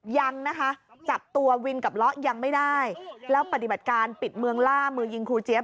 ยังนะคะจับตัววินกับเลาะยังไม่ได้แล้วปฏิบัติการปิดเมืองล่ามือยิงครูเจี๊ย